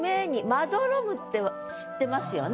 まどろむって知ってますよね。